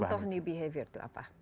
contoh perubahan baru itu apa